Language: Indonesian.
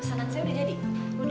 pesanan saya udah jadi